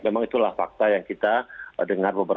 memang itulah fakta yang kita dengar beberapa